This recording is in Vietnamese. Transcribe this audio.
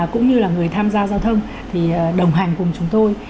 cũng như là người tham gia giao thông thì đồng hành cùng chúng tôi